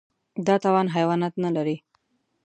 دا توان حیوانات نهلري.